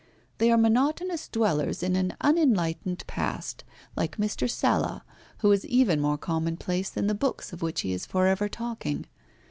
They are monotonous dwellers in an unenlightened past like Mr. Sala, who is even more commonplace than the books of which he is for ever talking.